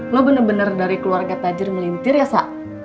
lo bener bener dari keluarga tajir melintir ya sa